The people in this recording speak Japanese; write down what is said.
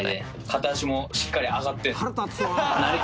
片足もしっかり上がって。